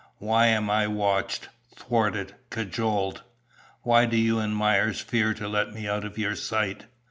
Why am I watched, thwarted, cajoled? Why do you and Myers fear to let me out of your sight?